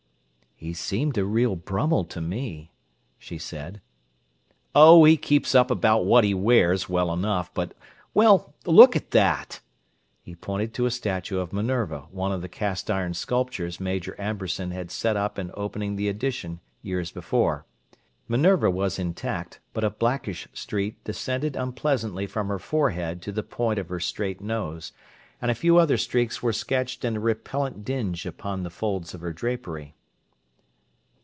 "He seemed a real Brummell to me," she said. "Oh, he keeps up about what he wears, well enough, but—well, look at that!" He pointed to a statue of Minerva, one of the cast iron sculptures Major Amberson had set up in opening the Addition years before. Minerva was intact, but a blackish streak descended unpleasantly from her forehead to the point of her straight nose, and a few other streaks were sketched in a repellent dinge upon the folds of her drapery.